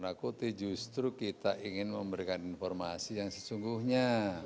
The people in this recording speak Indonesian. menakuti justru kita ingin memberikan informasi yang sesungguhnya